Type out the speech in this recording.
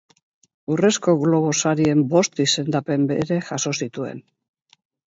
Urrezko Globo Sarien bost izendapen ere jaso zituen.